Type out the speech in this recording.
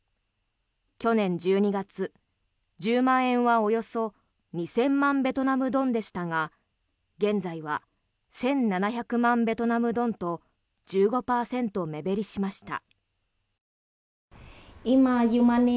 去年１２月、１０万円はおよそ２０００万ベトナムドンでしたが現在は１７００万ベトナムドンと１５％目減りしました。